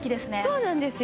そうなんですよ。